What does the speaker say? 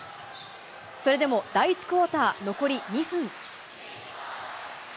それでも、第１クオーター、残り２分。